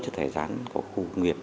cho thải rán của khu công nghiệp